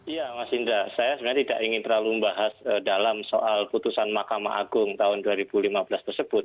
ya mas indra saya sebenarnya tidak ingin terlalu membahas dalam soal putusan mahkamah agung tahun dua ribu lima belas tersebut